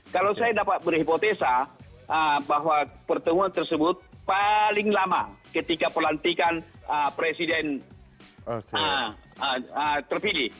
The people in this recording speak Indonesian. kalau saya dapat berhipotesa bahwa pertemuan tersebut paling lama ketika pelantikan presiden terpilih